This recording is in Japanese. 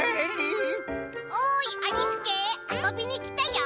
「おいありすけあそびにきたよ」。